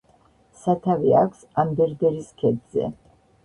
სათავე აქვს აბერდერის ქედზე.